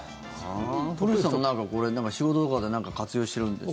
古市さんも、仕事とかで活用してるんですって。